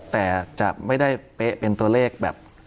แต่จะไม่ได้เป๊ะเป็นตัวเลขแบบ